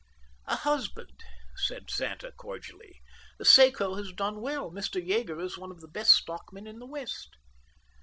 "A husband," said Santa cordially. "The Seco has done well. Mr. Yeager is one of the best stockmen in the West."